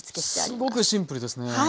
すごくシンプルですね。